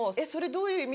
「どういう意味？